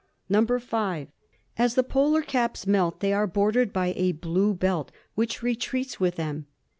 "(5) As the polar caps melt they are bordered by a blue belt, which retreats with them.